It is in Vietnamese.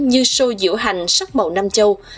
như show diễu hành sắc màu nam châu